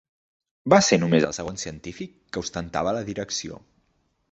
Va ser només el segon científic que ostentava la direcció.